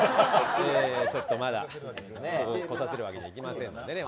ちょっとまだ来させるわけにはいきません。